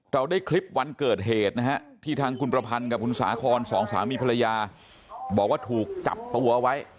ได้คลิปวันเกิดเหตุนะฮะที่ทางคุณประพันธ์กับคุณสาคอนสองสามีภรรยาบอกว่าถูกจับตัวไว้